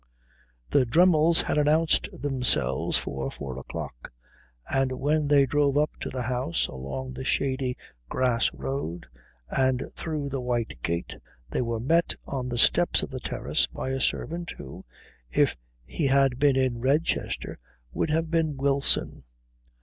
The Dremmels had announced themselves for four o'clock, and when they drove up to the house along the shady grass road and through the white gate they were met on the steps of the terrace by a servant who, if he had been in Redchester, would have been Wilson.